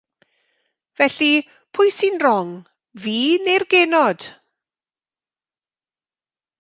Felly, pwy sy'n rong, fi neu'r genod.